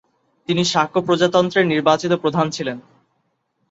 তিনি শাক্য প্রজাতন্ত্রের নির্বাচিত প্রধান ছিলেন।